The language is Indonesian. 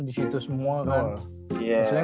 di situ semua kan